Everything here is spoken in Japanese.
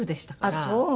あっそう。